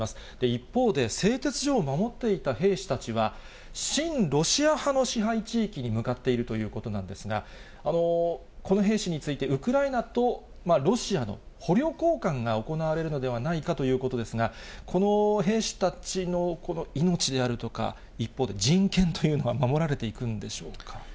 一方で、製鉄所を守っていた兵士たちは、親ロシア派の支配地域に向かっているということなんですが、この兵士について、ウクライナとロシアの捕虜交換が行われるのではないかということですが、この兵士たちの命であるとか、一方で、人権というのは守られていくんでしょうか。